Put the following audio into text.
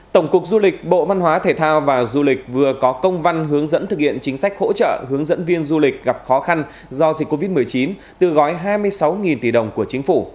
tổng cục du lịch bộ văn hóa thể thao và du lịch vừa có công văn hướng dẫn thực hiện chính sách hỗ trợ hướng dẫn viên du lịch gặp khó khăn do dịch covid một mươi chín từ gói hai mươi sáu tỷ đồng của chính phủ